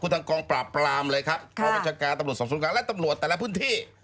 ทางกองปราบปรามเลยครับผู้บัญชาการตำรวจสอบสวนกลางและตำรวจแต่ละพื้นที่